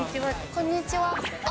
こんにちは。